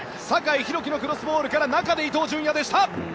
酒井宏樹のクロスボールから中で伊東純也でした。